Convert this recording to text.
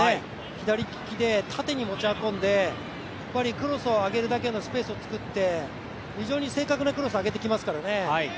左利きで縦に持ち運んでクロスを上げるだけのスペースを作って非常に正確なクロスを上げ来ますからね。